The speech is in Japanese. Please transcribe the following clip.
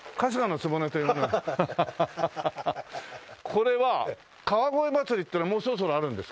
これは川越まつりっていうのはもうそろそろあるんですか？